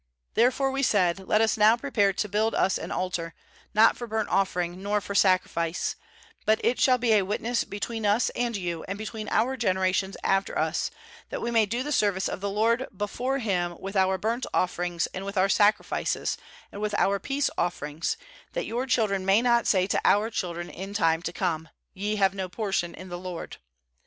26Therefore we said: Let us now prepare to build us an altar, not for burnt offering, nor for sacrifice; 27but it shall be a witness between us and you, and between our generations after us, that we may do the service of the LORD before Him with our burnt offerings, and with our sacrifices, and with our peace offerings; that your children may not say to our children in tune to come: Ye have no portion in the LORD.